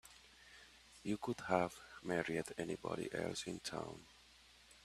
You could have married anybody else in town.